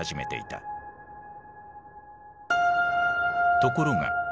ところが。